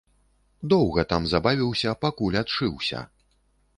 Доўга там забавіўся, покуль адшыўся.